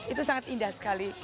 itu sangat indah sekali